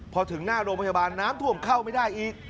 พอถึงหน้าโรงพยาบาลน้ำท่วมเข้าไม่ได้อีก